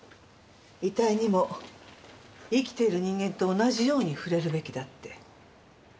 遺体にも生きている人間と同じように触れるべきだって。